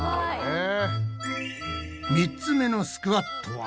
３つ目のスクワットは？